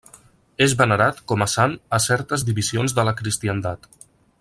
És venerat com a sant a certes divisions de la cristiandat.